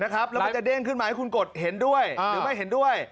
แล้วมันจะเด้งขึ้นมาให้คุณกฎเห็นด้วยหรือไม่เห็นด้วย